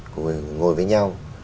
cũng ngồi với nhau